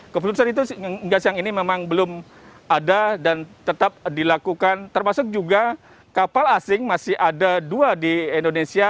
keputusan itu hingga siang ini memang belum ada dan tetap dilakukan termasuk juga kapal asing masih ada dua di indonesia